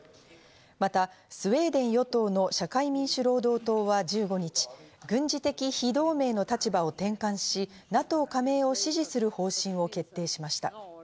また、スウェーデン与党の社会民主労働党は１５日、軍事的非同盟の立場を転換し、ＮＡＴＯ加盟を支持する方針を決定しました。